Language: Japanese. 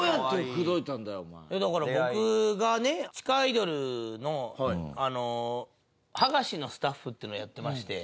だから僕がね地下アイドルのはがしのスタッフっていうのをやってまして。